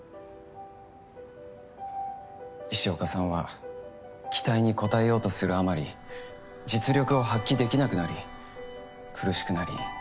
石岡さんは期待に応えようとするあまり実力を発揮できなくなり苦しくなり